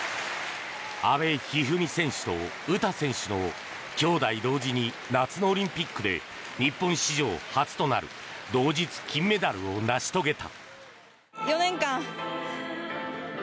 阿部一二三選手と詩選手の兄妹同時に夏のオリンピックで日本史上初となる同日金メダルを成し遂げた。